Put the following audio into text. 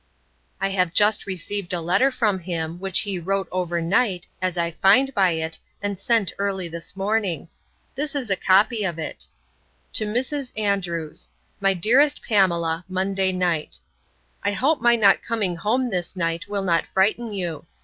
—I have just received a letter from him, which he wrote overnight, as I find by it, and sent early this morning. This is a copy of it. TO MRS. ANDREWS 'MY DEAREST PAMELA, Monday night. 'I hope my not coming home this night will not frighten you.